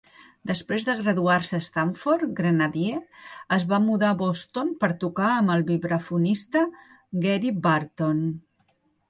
Després de graduar-se a Stanford, Grenadier es va mudar a Boston per tocar amb el vibrafonista Gary Burton.